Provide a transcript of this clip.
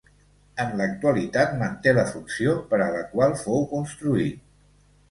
En l'actualitat manté la funció per a la qual fou construït.